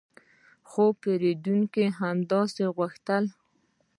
خو پیرودونکي همداسې غوښتل